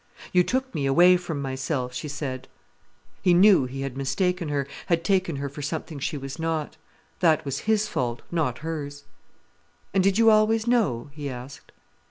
"You took me away from myself," she said. He knew he had mistaken her, had taken her for something she was not. That was his fault, not hers. "And did you always know?" he asked.